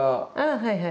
あはいはい。